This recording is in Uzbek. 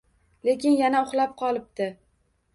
Lekin yana uxlab qolibdi.